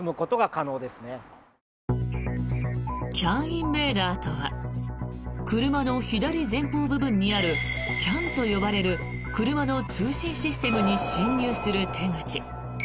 ＣＡＮインベーダーとは車の左前方部分にあるＣＡＮと呼ばれる車の通信システムに侵入する手口。